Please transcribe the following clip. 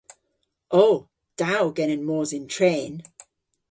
O. Da o genen mos yn tren.